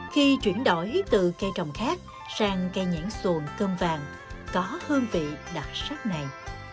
khi chuyển đổi từ cây trồng khác sang cây nhãn xuồng cơm vàng có hương vị đặc sắc này